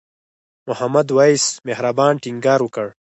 محمد وېس مهربان ټینګار وکړ.